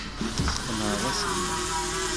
Tesseqneɛ aselmad.